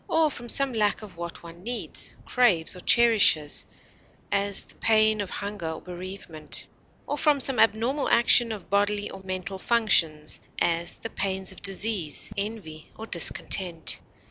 or from some lack of what one needs, craves, or cherishes (as, the pain of hunger or bereavement), or from some abnormal action of bodily or mental functions (as, the pains of disease, envy, or discontent).